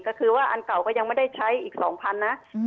ก็คือว่าอันเก่าก็ยังไม่ได้ใช้อีกสองพันน่ะอืม